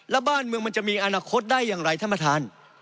และบ้านเมืองมันจะมีอนาคตได้ยังไงท่ามาทาน